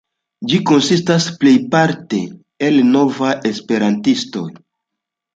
Ĝi konsistas plejparte el novaj esperantistoj.